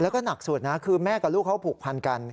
แล้วก็หนักสุดนะคือแม่กับลูกเขาผูกพันกัน